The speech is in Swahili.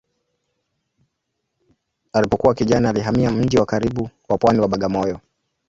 Alipokuwa kijana alihamia mji wa karibu wa pwani wa Bagamoyo.